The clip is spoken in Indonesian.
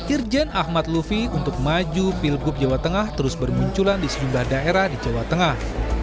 irjen ahmad lufi untuk maju pilgub jawa tengah terus bermunculan di sejumlah daerah di jawa tengah